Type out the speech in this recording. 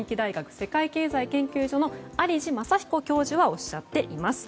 世界経済研究所の有路昌彦教授もおっしゃっています。